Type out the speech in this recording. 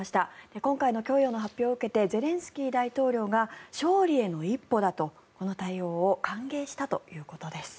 今回の供与の発表を受けてゼレンスキー大統領が勝利への一歩だと、この対応を歓迎したということです。